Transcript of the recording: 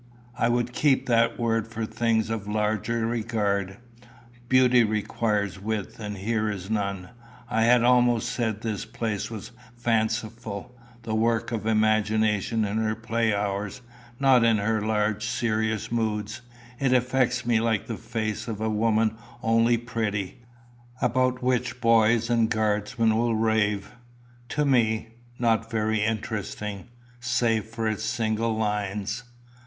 I would keep that word for things of larger regard. Beauty requires width, and here is none. I had almost said this place was fanciful the work of imagination in her play hours, not in her large serious moods. It affects me like the face of a woman only pretty, about which boys and guardsmen will rave to me not very interesting, save for its single lines."